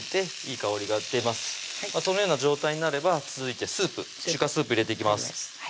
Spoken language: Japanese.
そのような状態になれば続いて中華スープ入れていきます